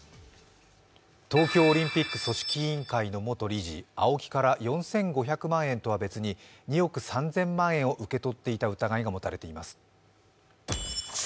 東京オリンピック組織委員会の元理事、ＡＯＫＩから４５００万円とは別に２億３０００万円を受け取っていた疑いが持たれています。